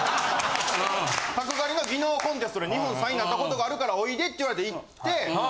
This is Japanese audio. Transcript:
角刈りの技能コンテストで日本３位なったことがあるからおいでって言われて行って。